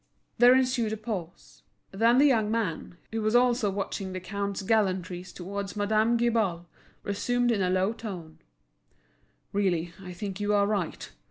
There ensued a pause. Then the young man, who was also watching the count's gallantries towards Madame Guibal, resumed in a low tone: "Really, I think you are right.